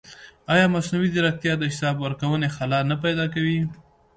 ایا مصنوعي ځیرکتیا د حساب ورکونې خلا نه پیدا کوي؟